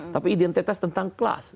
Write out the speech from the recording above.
tapi identitas tentang kelas